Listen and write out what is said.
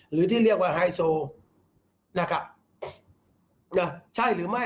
หรือที่เรียกว่าไฮโซนะครับนะใช่หรือไม่